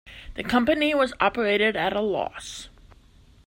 The company was operated at a loss.